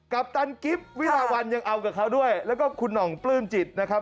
ปัปตันกิฟต์วิลาวันยังเอากับเขาด้วยแล้วก็คุณห่องปลื้มจิตนะครับ